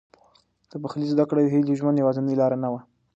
د پخلي زده کړه د هیلې د ژوند یوازینۍ لاره نه وه.